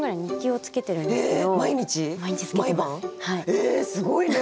えっすごいね！